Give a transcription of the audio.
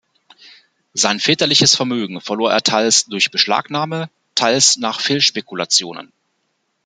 Sein väterliches Vermögen verlor er teils durch Beschlagnahme, teils nach Fehlspekulationen.